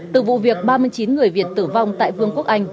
từ vụ việc ba mươi chín người việt tử vong tại vương quốc anh